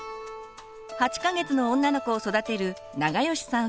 ８か月の女の子を育てる永吉さん